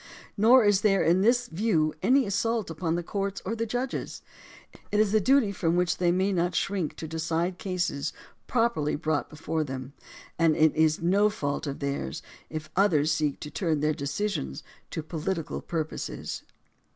Nor is there in this view any assault upon the courts or the judges. It is a duty from which they may not shrink to decide cases properly brought before them, and it is no fault of theirs if others seek to turn their decisions to political purposes.